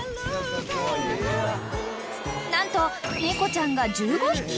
［何と猫ちゃんが１５匹